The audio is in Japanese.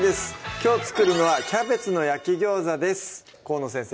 きょう作るのは「キャベツの焼き餃子」です河野先生